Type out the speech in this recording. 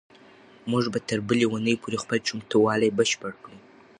موږ به تر بلې اونۍ پورې خپل چمتووالی بشپړ کړو.